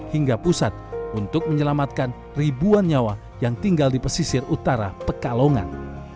hingga pusat untuk menyelamatkan ribuan nyawa yang tinggal di pesisir utara pekalongan